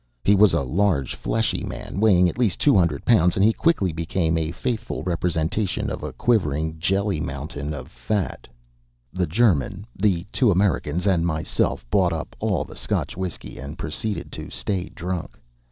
He was a large fleshy man, weighing at least two hundred pounds, and he quickly became a faithful representation of a quivering jelly mountain of fat. The German, the two Americans, and myself bought up all the Scotch whiskey, and proceeded to stay drunk.